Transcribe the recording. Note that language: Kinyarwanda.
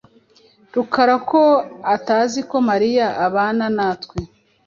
Rukara ko atazi ko Mariya abana natwe.